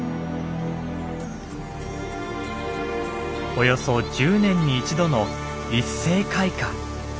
およそ１０年に１度の一斉開花。